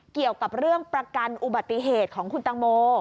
เกี่ยวกับเรื่องประกันอุบัติเหตุของคุณตังโม